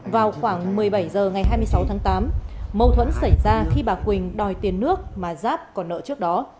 vào khoảng một mươi bảy h ngày hai mươi sáu tháng tám mâu thuẫn xảy ra khi bà quỳnh đòi tiền nước mà giáp còn nợ trước đó